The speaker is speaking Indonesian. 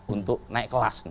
untuk naik kelas